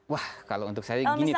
wah kalau untuk saya gini